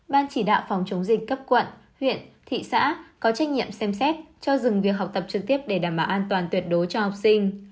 ban chỉ đạo phòng chống dịch cấp quận huyện thị xã có trách nhiệm xem xét cho dừng việc học tập trực tiếp để đảm bảo an toàn tuyệt đối cho học sinh